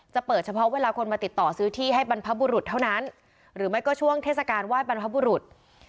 เปิดเฉพาะเวลาคนมาติดต่อซื้อที่ให้บรรพบุรุษเท่านั้นหรือไม่ก็ช่วงเทศกาลไห้บรรพบุรุษ